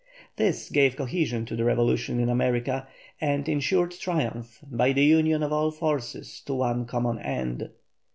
This gave cohesion to the revolution in America, and ensured triumph by the union of all forces to one common end.